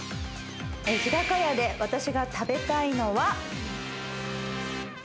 日高屋で私が食べたいのは。